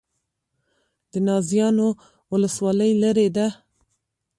د نازیانو ولسوالۍ لیرې ده